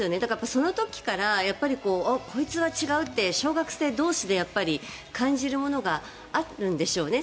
その時からこいつは違うって小学生同士でやっぱり感じるものがあるんでしょうね。